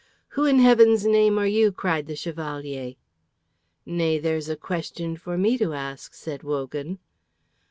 "Who, in Heaven's name, are you?" cried the Chevalier. "Nay, there's a question for me to ask," said Wogan.